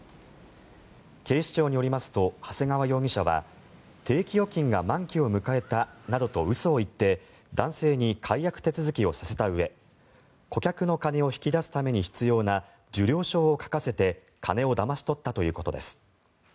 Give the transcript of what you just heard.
警視庁によりますと長谷川容疑者は定期預金が満期を迎えたなどと嘘を言って男性に解約手続きをさせたうえ顧客の金を引き出すために必要な受領証を書かせて金をだまし取ったということです。